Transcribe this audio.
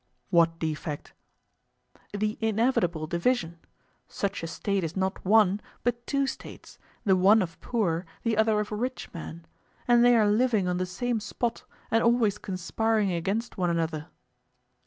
What defect? The inevitable division: such a State is not one, but two States, the one of poor, the other of rich men; and they are living on the same spot and always conspiring against one another.